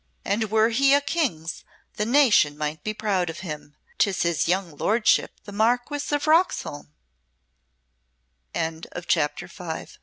"And were he a King's, the nation might be proud of him. 'Tis his young lordship the Marquess of Roxholm." CHAPTER VI "_No;